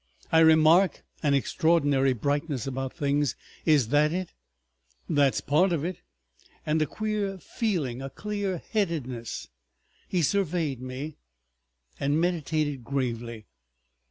I remark an extraordinary brightness about things. Is that it?" "That's part of it. And a queer feeling, a clear headedness———" He surveyed me and meditated gravely.